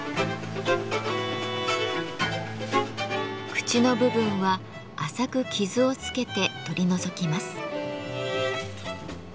口の部分は浅く傷をつけて取り除きます。